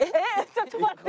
ちょっと待って。